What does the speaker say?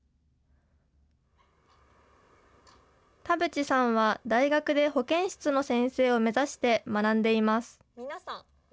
田渕さんは大学で保健室の先生を目指して学んでいます。